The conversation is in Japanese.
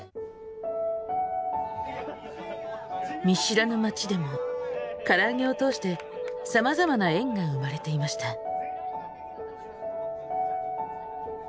見知らぬ町でもからあげを通してさまざまな縁が生まれていました。